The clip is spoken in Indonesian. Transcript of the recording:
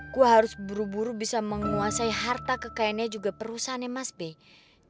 gue harus buru buru bisa menguasai harta kekayaannya juga perusahaannya mas bey